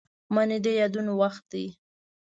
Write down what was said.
منی د یادونو وخت دی